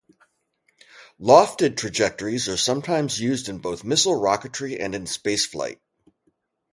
Lofted trajectories are sometimes used in both missile rocketry and in spaceflight.